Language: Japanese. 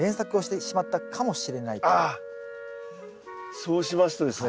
そうしますとですね